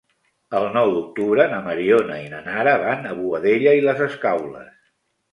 El nou d'octubre na Mariona i na Nara van a Boadella i les Escaules.